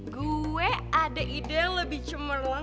gue ada ide yang lebih cemerlang